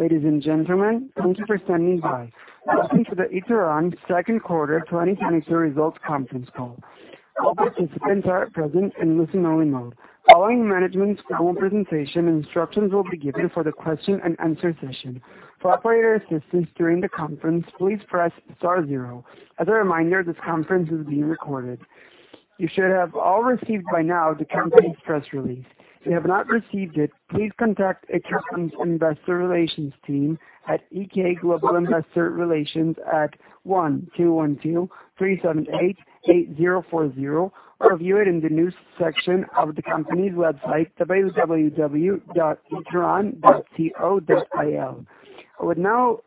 Ladies and gentlemen, thank you for standing by. Welcome to the Ituran second quarter 2022 results conference call. All participants are at present in listen only mode. Following management's presentation, instructions will be given for the question and answer session. For operator assistance during the conference, please press star zero. As a reminder, this conference is being recorded. You should have all received by now the company's press release. If you have not received it, please contact the company's investor relations team at EK Global Investor Relations at 1-212-378-8040, or view it in the news section of the company's website, www.ituran.co.il. I would now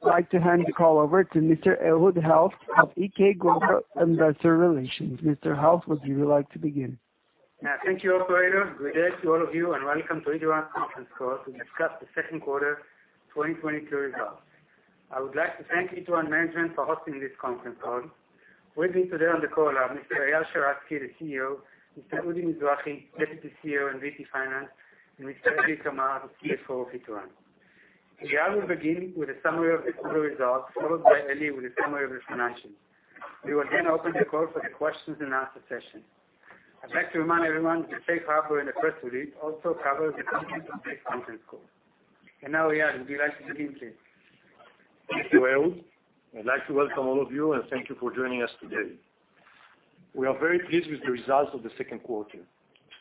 like to hand the call over to Mr. Ehud Helft of EK Global Investor Relations. Mr. Helft, would you like to begin? Yeah. Thank you, operator. Good day to all of you, and welcome to Ituran conference call to discuss the second quarter 2022 results. I would like to thank Ituran management for hosting this conference call. With me today on the call are Mr. Eyal Sheratzky, the CEO, Mr. Udi Mizrahi, Deputy CEO and VP Finance, and Mr. Eli Kamer, the CFO of Ituran. Eyal will begin with a summary of the quarter results, followed by Eli with a summary of the financials. We will then open the call for the questions and answer session. I'd like to remind everyone the safe harbor in the press release also covers the content of today's conference call. Now, Eyal, would you like to begin, please? Thank you, Ehud. I'd like to welcome all of you, and thank you for joining us today. We are very pleased with the results of the second quarter,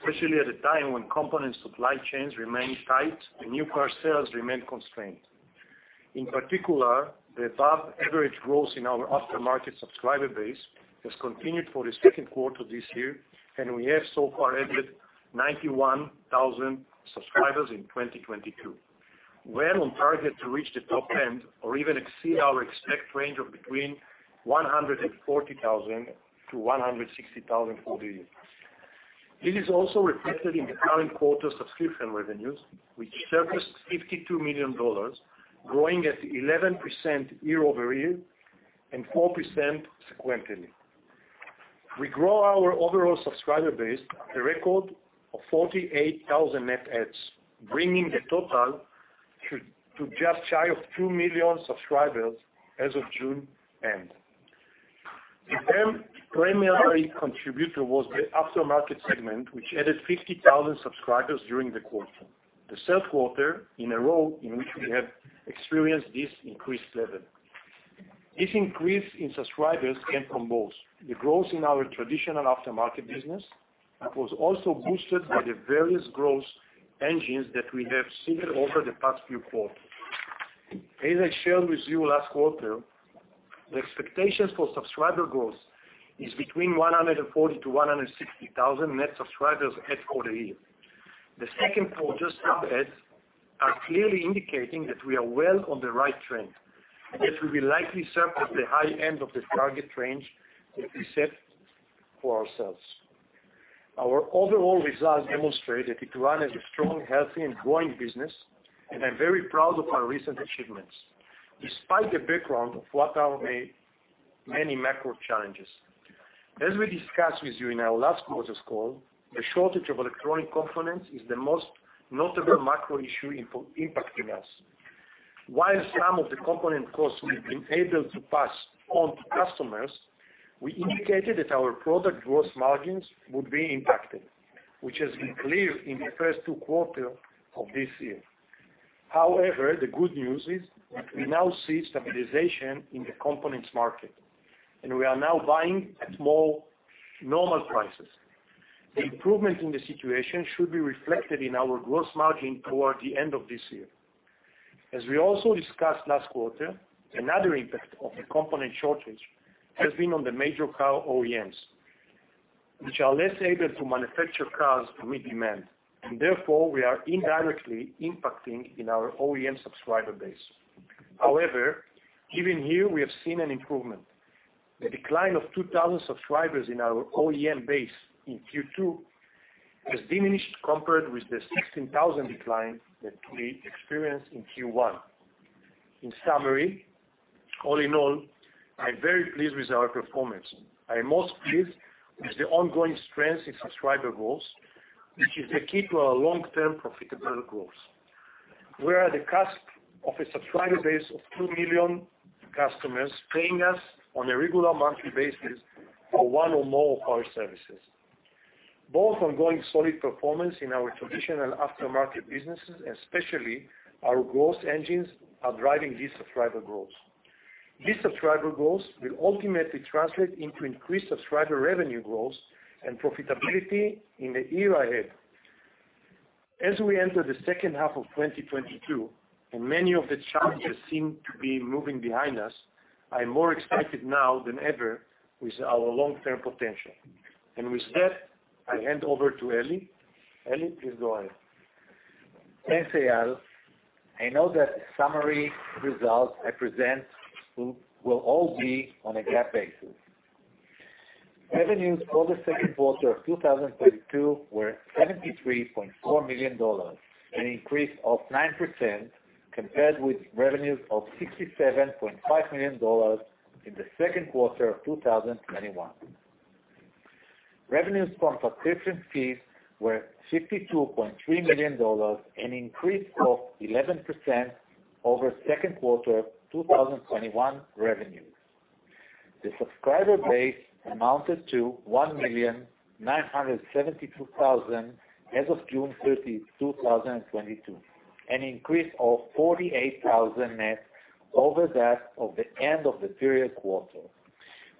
especially at a time when components supply chains remain tight and new car sales remain constrained. In particular, the above average growth in our aftermarket subscriber base has continued for the second quarter this year, and we have so far added 91,000 subscribers in 2022. We're on target to reach the top end or even exceed our expected range of between 140,000-160,000 for the year. This is also reflected in the current quarter subscription revenues, which were $52 million, growing at 11% year-over-year and 4% sequentially. We grew our overall subscriber base at a record of 48,000 net adds, bringing the total to just shy of 2 million subscribers as of June end. The primary contributor was the aftermarket segment, which added 50,000 subscribers during the quarter. The third quarter in a row in which we have experienced this increased level. This increase in subscribers came from both the growth in our traditional aftermarket business that was also boosted by the various growth engines that we have seen over the past few quarters. As I shared with you last quarter, the expectations for subscriber growth is between 140,000-160,000 net subscribers for the year. The second quarter's net adds are clearly indicating that we are well on the right trend, that we will likely surface the high end of the target range that we set for ourselves. Our overall results demonstrate that Ituran is a strong, healthy and growing business, and I'm very proud of our recent achievements, despite the background of what are many macro challenges. As we discussed with you in our last quarter's call, the shortage of electronic components is the most notable macro issue impacting us. While some of the component costs we've been able to pass on to customers, we indicated that our product growth margins would be impacted, which has been clear in the first two quarters of this year. However, the good news is we now see stabilization in the components market, and we are now buying at more normal prices. The improvement in the situation should be reflected in our growth margin toward the end of this year. As we also discussed last quarter, another impact of the component shortage has been on the major car OEMs, which are less able to manufacture cars to meet demand and therefore we are indirectly impacting in our OEM subscriber base. However, even here we have seen an improvement. The decline of 2,000 subscribers in our OEM base in Q2 has diminished compared with the 16,000 decline that we experienced in Q1. In summary, all in all, I'm very pleased with our performance. I am most pleased with the ongoing strength in subscriber growth, which is the key to our long-term profitable growth. We are at the cusp of a subscriber base of 2 million customers paying us on a regular monthly basis for one or more of our services. Both ongoing solid performance in our traditional aftermarket businesses, especially our growth engines, are driving these subscriber growth. These subscriber growth will ultimately translate into increased subscriber revenue growth and profitability in the year ahead. As we enter the second half of 2022 and many of the challenges seem to be moving behind us, I'm more excited now than ever with our long-term potential. With that, I hand over to Eli. Eli, please go ahead. Thanks, Eyal. I know that summary results I present will all be on a GAAP basis. Revenues for the second quarter of 2022 were $73.4 million, an increase of 9% compared with revenues of $67.5 million in the second quarter of 2021. Revenues from subscription fees were $52.3 million, an increase of 11% over second quarter 2021 revenues. The subscriber base amounted to 1,972,000 as of June 30, 2022, an increase of 48,000 net over that of the end of the prior quarter,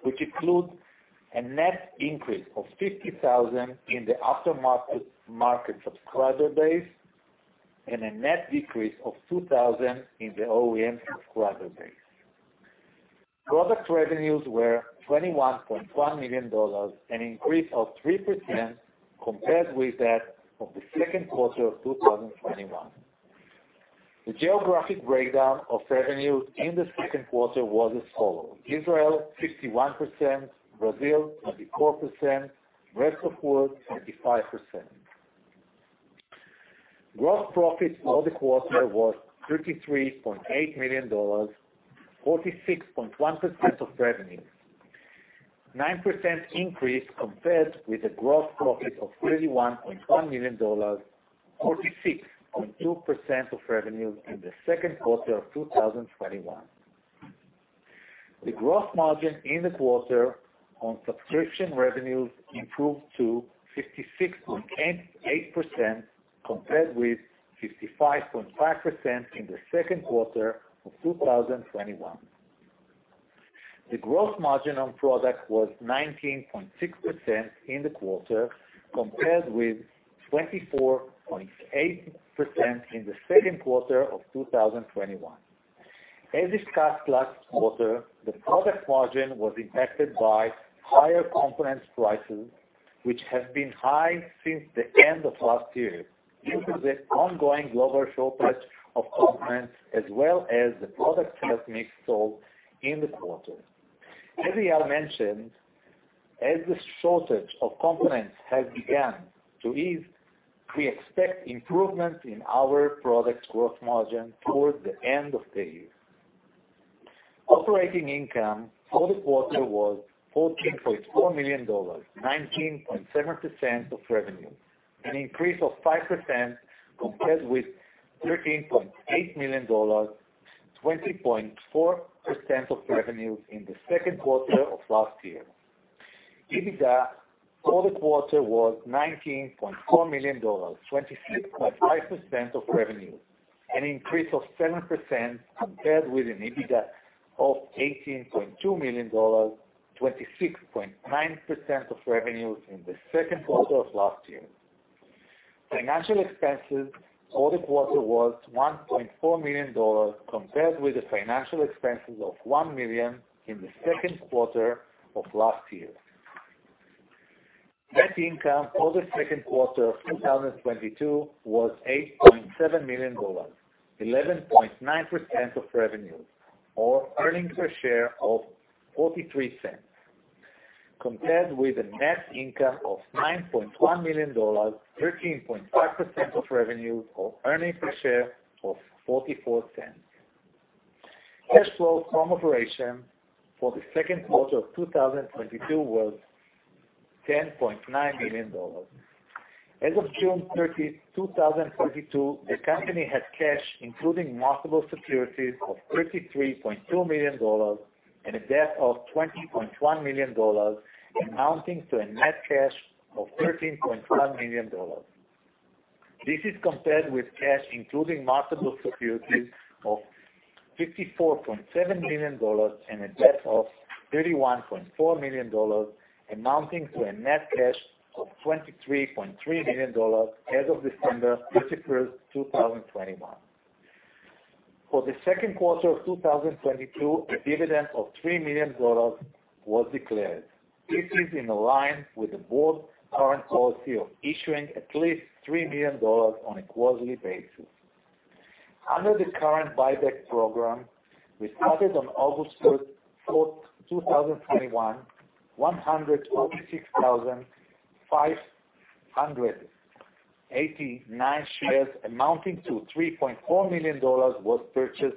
which includes a net increase of 50,000 in the aftermarket market subscriber base and a net decrease of 2,000 in the OEM subscriber base. Product revenues were $21.1 million, an increase of 3% compared with that of the second quarter of 2021. The geographic breakdown of revenues in the second quarter was as follows. Israel 61%, Brazil 24%, rest of world 25%. Gross profit for the quarter was $33.8 million, 46.1% of revenues. 9% increase compared with the gross profit of $31.1 million, 46.2% of revenue in the second quarter of 2021. The gross margin in the quarter on subscription revenues improved to 56.8%, compared with 55.5% in the second quarter of 2021. The gross margin on product was 19.6% in the quarter, compared with 24.8% in the second quarter of 2021. As discussed last quarter, the product margin was impacted by higher components prices, which have been high since the end of last year due to the ongoing global shortage of components, as well as the product mix sold in the quarter. As Eyal mentioned, as the shortage of components has begun to ease, we expect improvements in our product gross margin towards the end of the year. Operating income for the quarter was $14.4 million, 19.7% of revenue, an increase of 5% compared with $13.8 million, 20.4% of revenue in the second quarter of last year. EBITDA for the quarter was $19.4 million, 26.5% of revenue, an increase of 7% compared with an EBITDA of $18.2 million, 26.9% of revenue in the second quarter of last year. Financial expenses for the quarter was $1.4 million compared with the financial expenses of $1 million in the second quarter of last year. Net income for the second quarter of 2022 was $8.7 million, 11.9% of revenues, or earnings per share of $0.43, compared with a net income of $9.1 million, 13.5% of revenue, or earnings per share of $0.44. Cash flow from operations for the second quarter of 2022 was $10.9 million. As of June 30, 2022, the company had cash including marketable securities of $33.2 million and a debt of $20.1 million, amounting to a net cash of $13.1 million. This is compared with cash including marketable securities of $54.7 million and a debt of $31.4 million, amounting to a net cash of $23.3 million as of December 31, 2021. For the second quarter of 2022, a dividend of $3 million was declared. This is in line with the board's current policy of issuing at least $3 million on a quarterly basis. Under the current buyback program, we started on August 3, 2021, 146,589 shares amounting to $3.4 million was purchased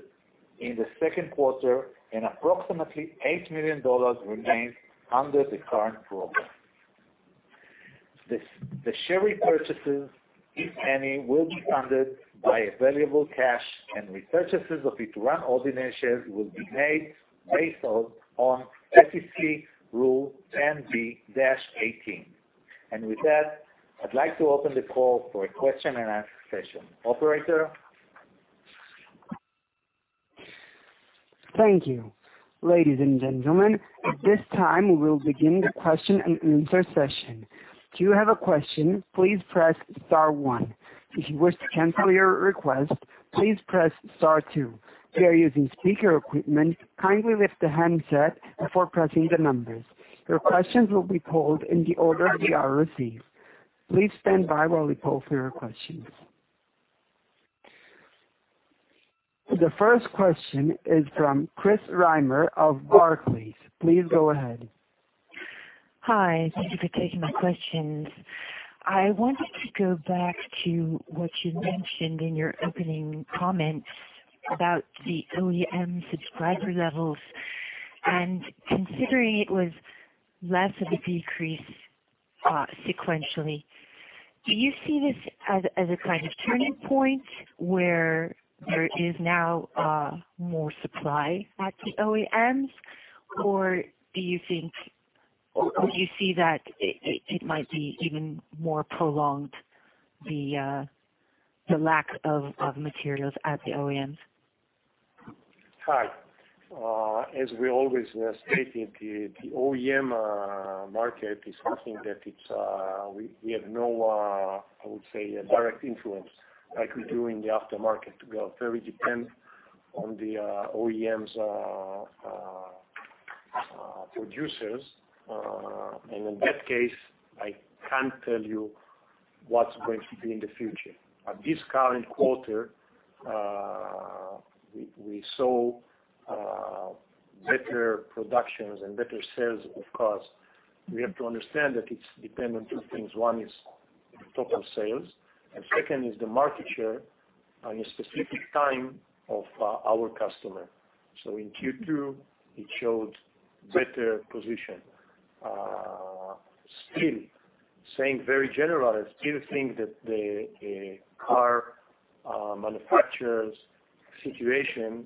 in the second quarter and approximately $8 million remains under the current program. The share repurchases, if any, will be funded by available cash and repurchases of Ituran ordinary shares will be made based on SEC Rule 10b-18. With that, I'd like to open the call for a question and answer session. Operator? Thank you. Ladies and gentlemen, at this time we will begin the question and answer session. If you have a question, please press star one. If you wish to cancel your request, please press star two. If you are using speaker equipment, kindly lift the handset before pressing the numbers. Your questions will be called in the order they are received. Please stand by while we poll for your questions. The first question is from Chris Reimer of Barclays. Please go ahead. Hi. Thank you for taking my questions. I wanted to go back to what you mentioned in your opening comments about the OEM subscriber levels, and considering it was less of a decrease sequentially, do you see this as a kind of turning point where there is now more supply at the OEMs? Or do you see that it might be even more prolonged, the lack of materials at the OEMs? Hi. As we always stated, the OEM market is something that we have no, I would say, a direct influence like we do in the aftermarket. We are very dependent on the OEMs producers. In that case, I can't tell you what's going to be in the future. At this current quarter, we saw better productions and better sales. Of course, we have to understand that it's dependent on two things. One is the total sales, and second is the market share on a specific time of our customer. In Q2, it showed better position. Still saying very general, I still think that the car manufacturers' situation,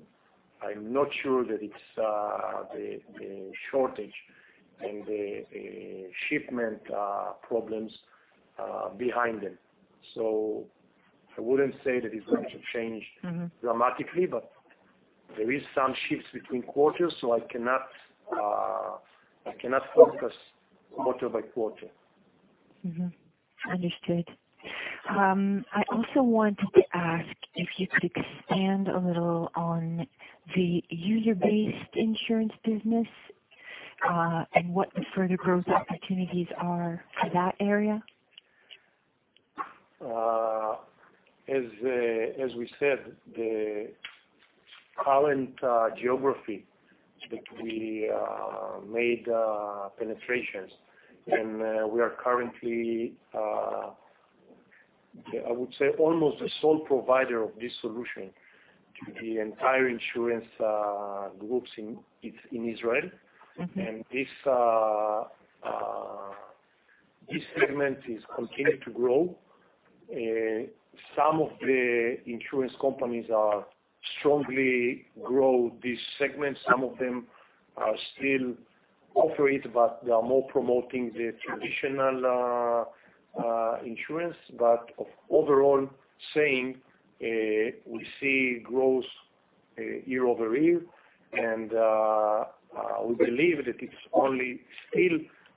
I'm not sure that it's the shortage and the shipment problems behind them. I wouldn't say that it's going to change- Mm-hmm. Dramatically, but there is some shifts between quarters, so I cannot focus quarter by quarter. Understood. I also wanted to ask if you could expand a little on the usage-based insurance business, and what the further growth opportunities are for that area. As we said, the current geography that we made penetrations, and we are currently, I would say almost the sole provider of this solution to the entire insurance groups in Israel. Mm-hmm. This segment is continuing to grow. Some of the insurance companies are strongly growing this segment. Some of them are still offering it, but they are promoting more the traditional insurance. Overall, we see growth year over year, and we believe that it's only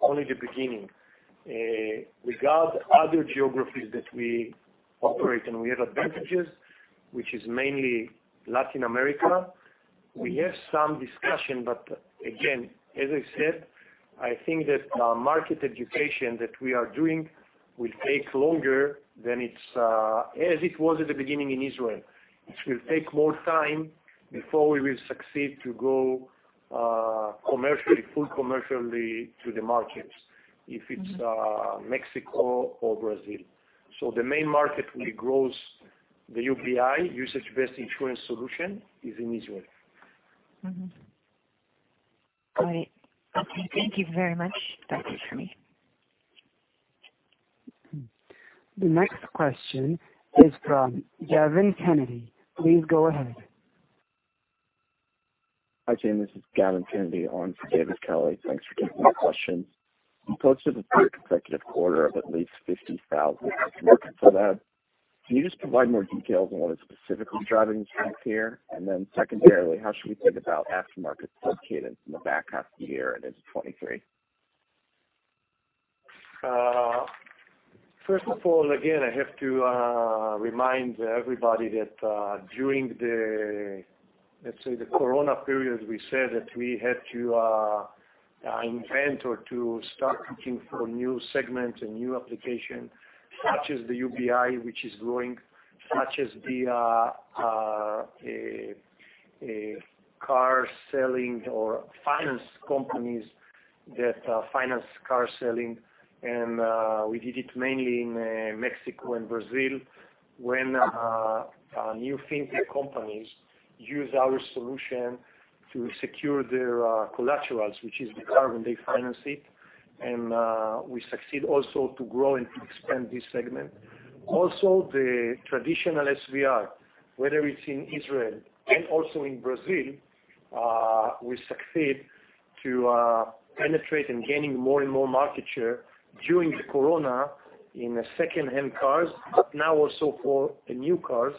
the beginning. Regarding other geographies that we operate, we have advantages, which is mainly Latin America. We have some discussion, but again, as I said, I think that the market education that we are doing will take longer than it's as it was at the beginning in Israel. It will take more time before we will succeed to go commercially to the markets. Mm-hmm. If it's Mexico or Brazil. The main market we grows the UBI, usage-based insurance solution, is in Israel. All right. Okay. Thank you very much. That's it for me. The next question is from Gavin Kennedy. Please go ahead. Hi, team. This is Gavin Kennedy on for David Kelley. Thanks for taking my question. You posted a third consecutive quarter of at least 50,000. Looking for that. Can you just provide more details on what is specifically driving strength here? Then secondarily, how should we think about aftermarket book cadence in the back half of the year and into 2023? First of all, again, I have to remind everybody that, during the, let's say the corona period, we said that we had to invent or to start looking for new segments and new application, such as the UBI, which is growing, such as the car selling or finance companies that finance car selling. We did it mainly in Mexico and Brazil, when new fintech companies use our solution to secure their collaterals, which is the car when they finance it. We succeed also to grow and to expand this segment. Also, the traditional SVR, whether it's in Israel and also in Brazil, we succeed to penetrate and gaining more and more market share during the corona in the second-hand cars, but now also for the new cars.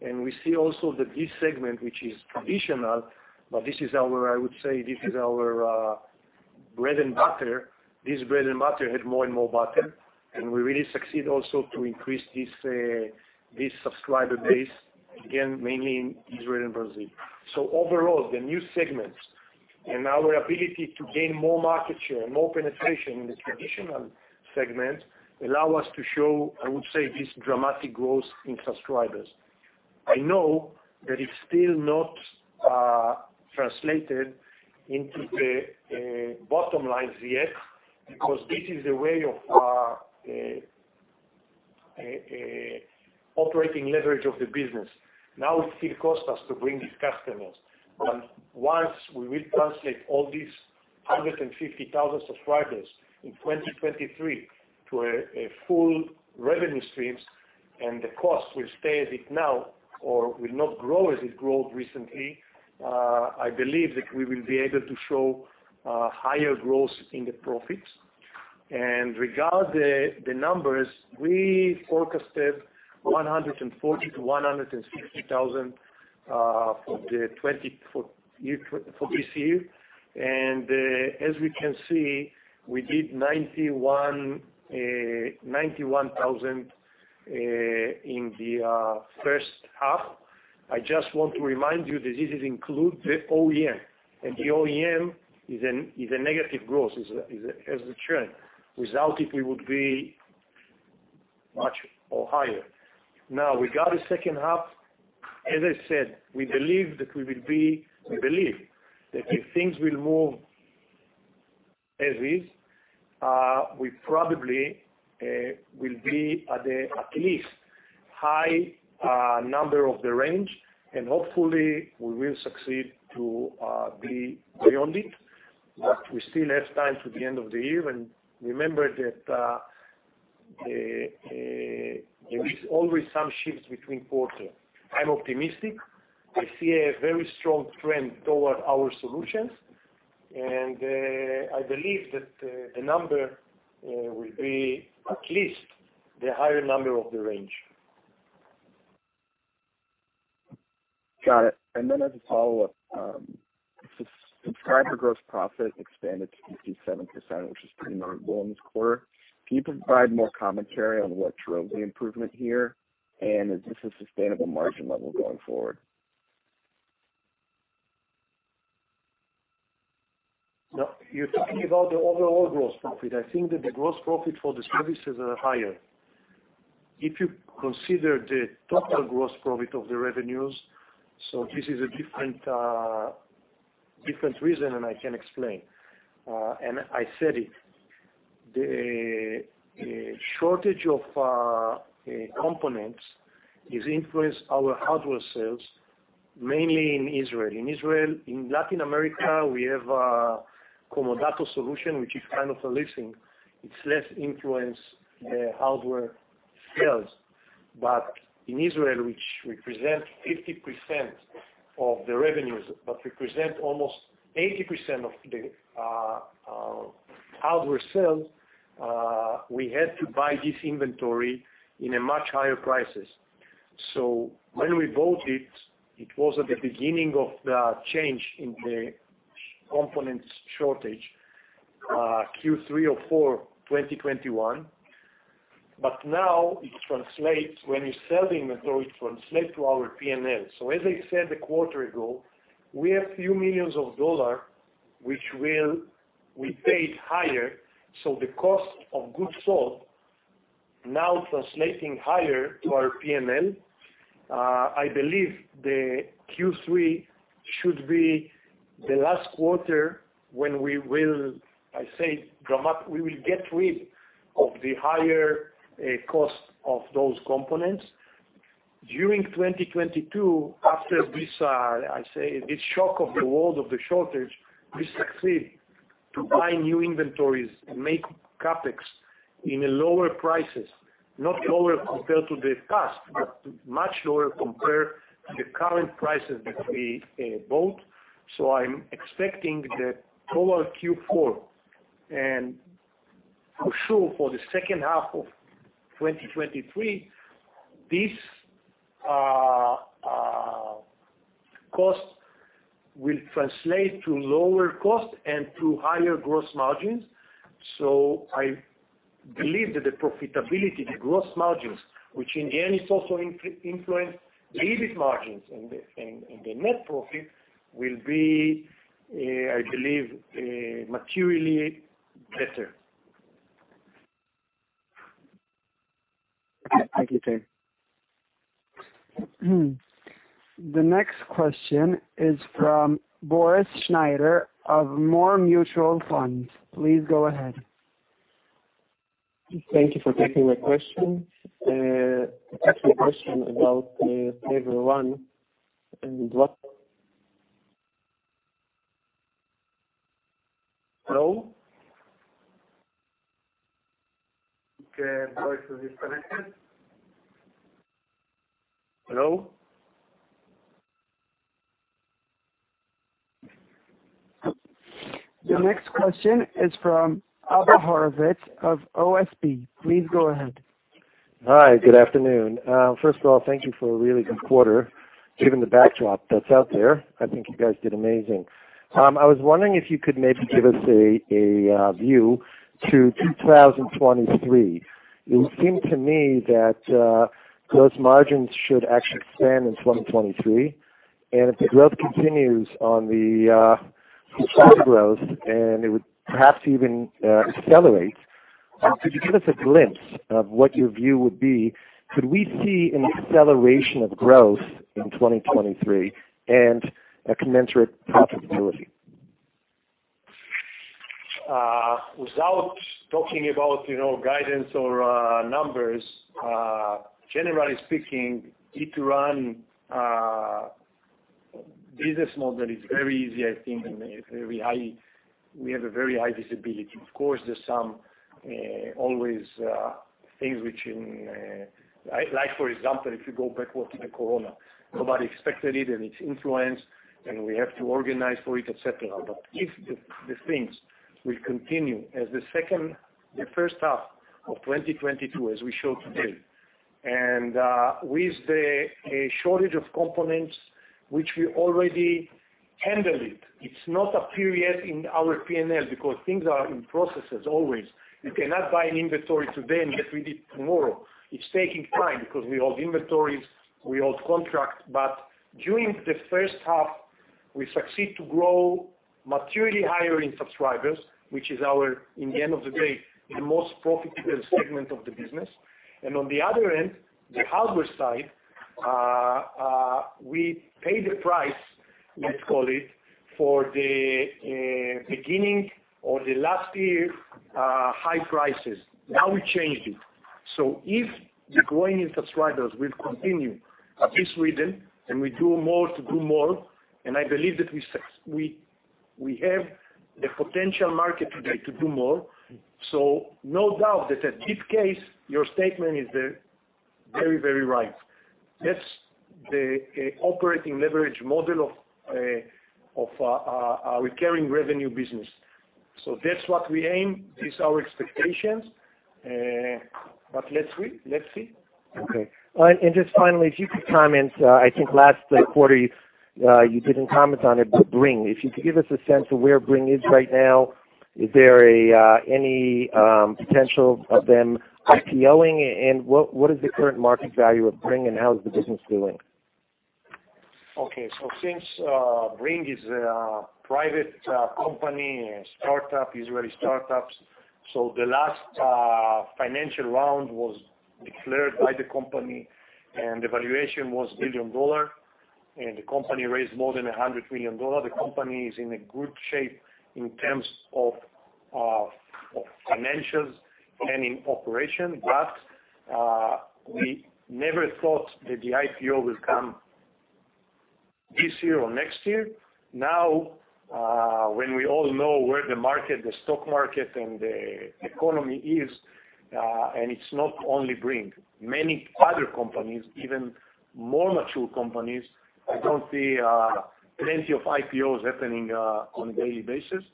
We see also that this segment, which is traditional, but this is our, I would say, bread and butter. This bread and butter had more and more butter, and we really succeed also to increase this subscriber base, again, mainly in Israel and Brazil. Overall, the new segments and our ability to gain more market share and more penetration in the traditional segment allow us to show, I would say, this dramatic growth in subscribers. I know that it's still not translated into the bottom line yet, because this is a way of operating leverage of the business. Now, it still costs us to bring these customers. Once we will translate all these 150,000 subscribers in 2023 to a full revenue streams, and the cost will stay as it is now or will not grow as it grew recently, I believe that we will be able to show higher growth in the profits. Regarding the numbers, we forecasted 140,000-160,000 for this year. As we can see, we did 91,000 in the first half. I just want to remind you that this includes the OEM, and the OEM is a negative growth, has a trend. Without it, we would be much higher. Now, regarding the second half, as I said, we believe that we will be... We believe that if things will move as is, we probably will be at least high number of the range, and hopefully we will succeed to be beyond it. We still have time to the end of the year. Remember that there is always some shifts between quarter. I'm optimistic. I see a very strong trend toward our solutions, and I believe that the number will be at least the higher number of the range. Got it. As a follow-up, subscriber gross profit expanded to 57%, which is pretty notable in this quarter. Can you provide more commentary on what drove the improvement here, and is this a sustainable margin level going forward? No. You're talking about the overall gross profit. I think that the gross profit for the services are higher. If you consider the total gross profit of the revenues, this is a different reason, and I can explain. I said it, the shortage of components is influenced our hardware sales, mainly in Israel. In Israel. In Latin America, we have a Comodato solution, which is kind of a leasing. It's less influenced the hardware sales. But in Israel, which represent 50% of the revenues, but represent almost 80% of the hardware sales, we had to buy this inventory in a much higher prices. When we bought it was at the beginning of the change in the components shortage, Q3 of 2021. Now it translates, when you sell the inventory, it translates to our P&L. As I said a quarter ago, we have a few million dollars which we paid higher for, so the cost of goods sold now translating higher to our P&L. I believe the Q3 should be the last quarter when we will get rid of the higher cost of those components. During 2022, after this shock of the world of the shortage, we succeed to buy new inventories and make CapEx in lower prices. Not lower compared to the past, but much lower compared to the current prices that we bought. I'm expecting that overall Q4, and for sure for the second half of 2023, these costs will translate to lower costs and to higher gross margins. I believe that the profitability, the gross margins, which in the end is also influenced, EBIT margins and the net profit will be, I believe, materially better. Thank you, Tamir. The next question is from Boris Schneider of More Mutual Funds. Please go ahead. Thank you for taking my question. I have a question about the Favor One, and what? Hello? The voice is disconnected. Hello? The next question is from Albert Horovitz of OSB. Please go ahead. Hi, good afternoon. First of all, thank you for a really good quarter. Given the backdrop that's out there, I think you guys did amazing. I was wondering if you could maybe give us a view to 2023. It would seem to me that gross margins should actually expand in 2023. If the growth continues on the subscriber growth, and it would perhaps even accelerate. Could you give us a glimpse of what your view would be? Could we see an acceleration of growth in 2023 and a commensurate profitability? Without talking about, you know, guidance or numbers, generally speaking, Ituran business model is very easy, I think, and very high. We have a very high visibility. Of course, there's some always things. Like, for example, if you go back to the corona, nobody expected it, and it's influenced, and we have to organize for it, et cetera. If the things will continue as the first half of 2022, as we show today, and with a shortage of components which we already handled it. It's not apparent in our P&L because things are in processes always. You cannot buy an inventory today and get with it tomorrow. It's taking time because we hold inventories, we hold contracts. During the first half, we succeed to grow materially higher in subscribers, which is our, in the end of the day, the most profitable segment of the business. On the other end, the hardware side, we pay the price, let's call it, for the beginning or the last year, high prices. Now we changed it. If the growing in subscribers will continue at this rhythm, and we do more to do more, and I believe that we have the potential market today to do more. No doubt that at this case, your statement is the very, very right. That's the operating leverage model of our recurring revenue business. That's what we aim. It's our expectations. Let's wait, let's see. Okay. Just finally, if you could comment, I think last quarter, you didn't comment on it, but Bringg. If you could give us a sense of where Bringg is right now, is there any potential of them IPO-ing, and what is the current market value of Bringg, and how is the business doing? Okay. Since Bringg is a private company, a startup, Israeli startups, the last financial round was declared by the company, and the valuation was $1 billion, and the company raised more than $100 million. The company is in a good shape in terms of of financials and in operation, but we never thought that the IPO will come this year or next year. Now, when we all know where the market, the stock market and the economy is, and it's not only Bringg. Many other companies, even more mature companies, I don't see plenty of IPOs happening on a daily basis.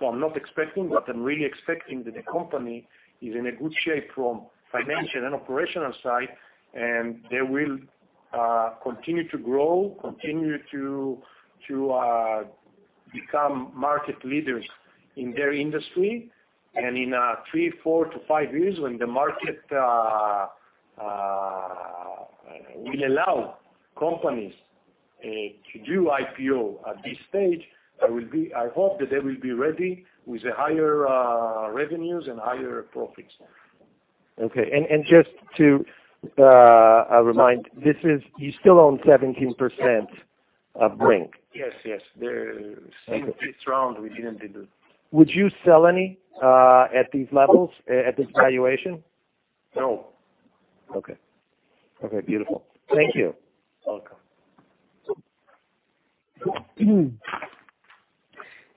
I'm not expecting, but I'm really expecting that the company is in a good shape from financial and operational side, and they will continue to grow, to become market leaders in their industry. In three, four to five years, when the market will allow companies to do IPO at this stage, I hope that they will be ready with higher revenues and higher profits. Okay. Just to remind, you still own 17% of Bringg? Yes, yes. Okay. Since this round, we didn't do. Would you sell any, at these levels, at this valuation? No. Okay. Okay, beautiful. Thank you. Welcome.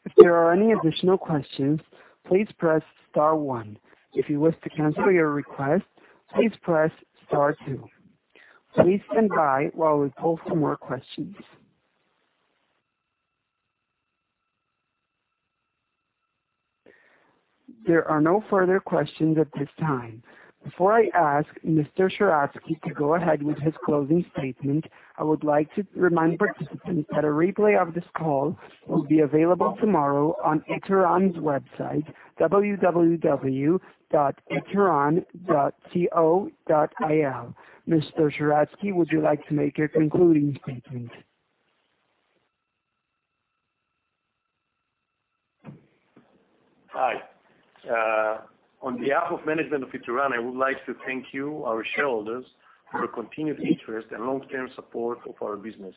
If there are any additional questions, please press star one. If you wish to cancel your request, please press star two. Please stand by while we pull some more questions. There are no further questions at this time. Before I ask Mr. Sheratzky to go ahead with his closing statement, I would like to remind participants that a replay of this call will be available tomorrow on Ituran's website, www.ituran.co.il. Mr. Sheratzky, would you like to make your concluding statement? Hi. On behalf of management of Ituran, I would like to thank you, our shareholders, for your continued interest and long-term support of our business.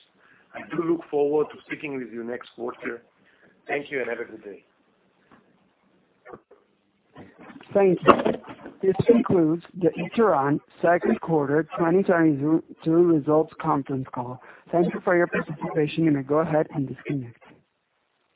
I do look forward to speaking with you next quarter. Thank you, and have a good day. Thank you. This concludes the Ituran second quarter 2022 results conference call. Thank you for your participation. You may go ahead and disconnect.